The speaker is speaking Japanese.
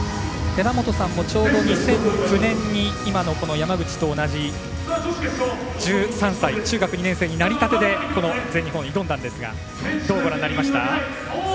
寺本さんもちょうど２００９年に今の山口と同じ１３歳中学２年生になりたてでこの全日本に挑んだんですがどうご覧になりました？